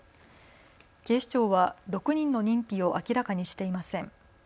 警視庁は６人の認否を明らかにしていません。